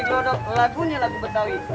bang kamu mau main lagunya lagu betawi